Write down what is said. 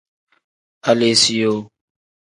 Aleesiyoo.